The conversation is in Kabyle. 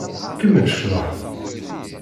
Kemmel ccḍeḥ.